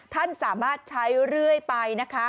ท่านสามารถใช้เรื่อยไปนะคะ